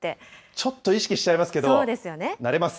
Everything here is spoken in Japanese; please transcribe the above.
ちょっと意識しちゃいますけど、慣れます。